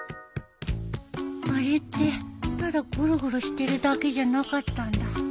あれってただごろごろしてるだけじゃなかったんだ。